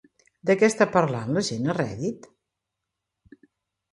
De què està parlant la gent a Reddit?